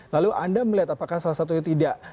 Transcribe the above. lalu anda melihat apakah salah satunya tidak